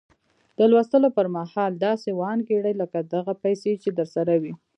د لوستو پر مهال داسې وانګيرئ لکه دغه پيسې چې درسره وي.